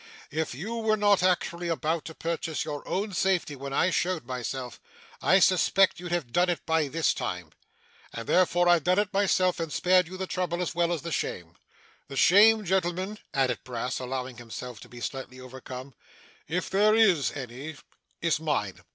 If you were not actually about to purchase your own safety when I showed myself, I suspect you'd have done it by this time. And therefore I've done it myself, and spared you the trouble as well as the shame. The shame, gentlemen,' added Brass, allowing himself to be slightly overcome, 'if there is any, is mine.